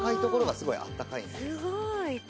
すごい！